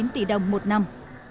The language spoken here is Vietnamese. chín tỷ đồng một năm